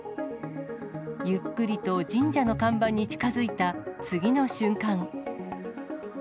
ゆっくりと神社の看板に近づいた次の瞬間。